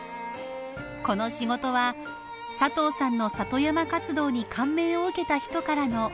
この仕事は佐藤さんの里山活動に感銘を受けた人からの紹介でした。